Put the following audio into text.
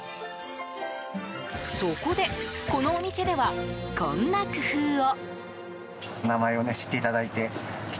そこでこのお店ではこんな工夫を。